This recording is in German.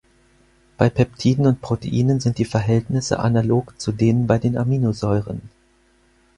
Bei Peptiden und Proteinen sind die Verhältnisse analog zu denen bei den Aminosäuren.